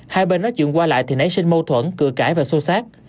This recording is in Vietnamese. hai bên nói chuyện qua lại thì nãy sinh mâu thuẫn cửa cãi và xô xác